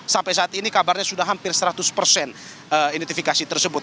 sampai saat ini kabarnya sudah hampir seratus persen identifikasi tersebut